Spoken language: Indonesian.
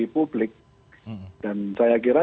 publik dan saya kira